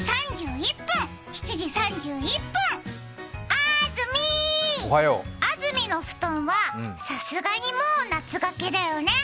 あーずみー、あずみの布団はさすがにもう夏掛けだよね？